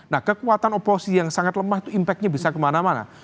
nah kekuatan oposisi yang sangat lemah itu impactnya bisa kemana mana